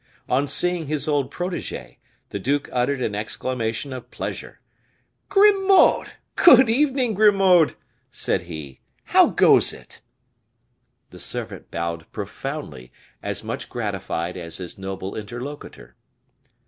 On seeing his old protege, the duke uttered an exclamation of pleasure. "Grimaud! Good evening, Grimaud!" said he; "how goes it?" The servant bowed profoundly, as much gratified as his noble interlocutor.